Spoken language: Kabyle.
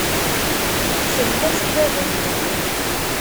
Sellet-as i baba-twen.